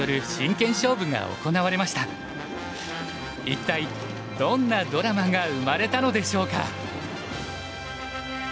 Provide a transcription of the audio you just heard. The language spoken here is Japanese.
一体どんなドラマが生まれたのでしょうか？